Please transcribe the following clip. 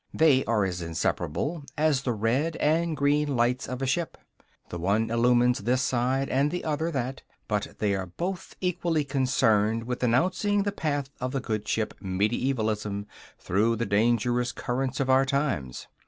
They are as inseparable as the red and green lights of a ship: the one illumines this side and the other that, but they are both equally concerned with announcing the path of the good ship "Mediaevalism" through the dangerous currents of our times.